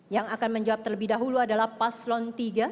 yang akan menjawab terlebih dahulu adalah paslon tiga